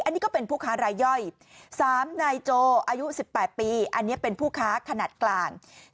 อันนี้ก็เป็นผู้ค้ารายย่อย๓นายโจอายุ๑๘ปีอันนี้เป็นผู้ค้าขนาดกลาง